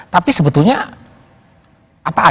tapi sebetulnya apa ada sih memang kultur masyarakat